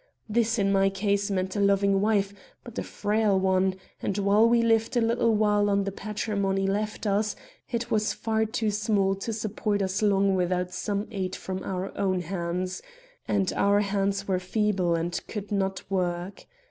This, in my case, meant a loving wife, but a frail one; and while we lived a little while on the patrimony left us, it was far too small to support us long without some aid from our own hands; and our hands were feeble and could not work.